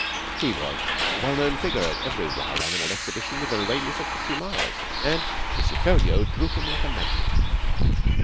He was a well known figure at every wild animal exhibition within a radius of fifty miles, and M. Feriaud drew him like a magnet.